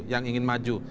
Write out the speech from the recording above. yang ingin maju